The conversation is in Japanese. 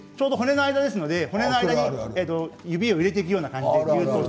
骨の間に指を入れていく感じです。